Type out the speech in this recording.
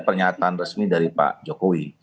pernyataan resmi dari pak jokowi